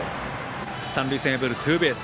三塁線破るツーベース。